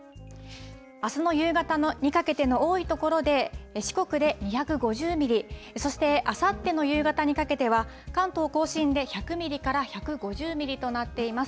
あすの夕方にかけての多い所で四国で２５０ミリ、そしてあさっての夕方にかけては、関東甲信で１００ミリから１５０ミリとなっています。